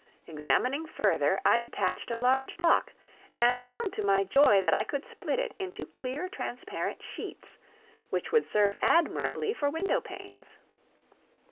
Examining further, I detached a large block, and found to my joy that I could split it into clear transparent sheets, which would serve admirably for window panes.